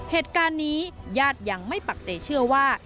เหตุการณ์นี้ญาติยังไม่ปักใจเชื่อว่า